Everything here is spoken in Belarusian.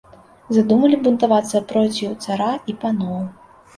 Задумалі бунтавацца проціў цара і паноў.